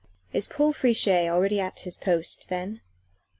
"Is Paul Friche already at his post then?"